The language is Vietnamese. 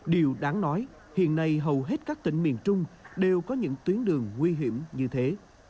điều đáng nói hiện nay hầu hết các tỉnh miền trung đều có những tuyến đường nguy hiểm như thế